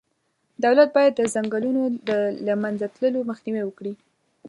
دولت باید د ځنګلونو د له منځه تللو مخنیوی وکړي.